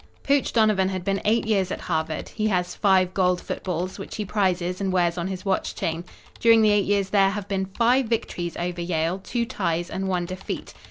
Pooch Donovan has been eight years at Harvard. He has five gold footballs, which he prizes and wears on his watch chain. During the eight years there have been five victories over Yale, two ties and one defeat.